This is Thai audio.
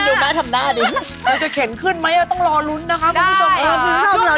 ดูแม่ทำหน้าดิเราจะเข็นขึ้นไหมต้องรอลุ้นนะคะคุณผู้ชมภาคช่วงหน้าค่ะ